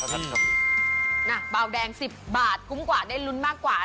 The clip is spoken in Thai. เบาแดง๑๐บาทคุ้มกว่าได้ลุ้นมากกว่า